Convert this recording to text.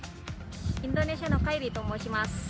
インドネシアのカイリと申します。